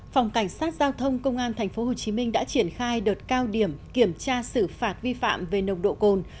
phòng cảnh sát giao thông công an tp hcm đã triển khai đợt cao điểm kiểm tra xử phạt vi phạm về nồng độ cồn